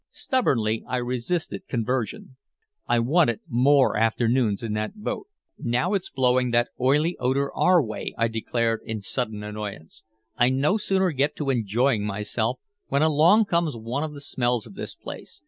Stubbornly I resisted conversion. I wanted more afternoons in that boat. "Now it's blowing that oily odor our way," I declared in sudden annoyance. "I no sooner get to enjoying myself when along comes one of the smells of this place.